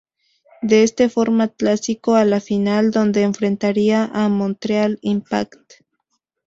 De este forma clasificó a la final donde enfrentaría a Montreal Impact.